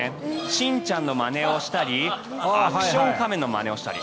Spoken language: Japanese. しんちゃんのまねをしたりアクション仮面のまねをしたり。